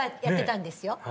「やってたんですよ」？